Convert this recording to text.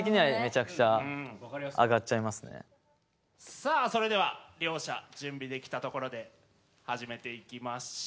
さあそれでは両者準備できたところで始めていきましょう！